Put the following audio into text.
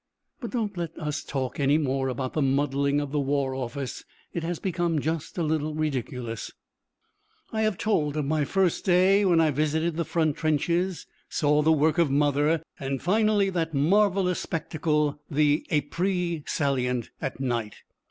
But don't let us talk any more about the muddling of the War Office. It has become just a little ridiculous. I have told of my first day, when I visited the front trenches, saw the work of 'Mother,' and finally that marvellous spectacle, the Ypres Salient at night.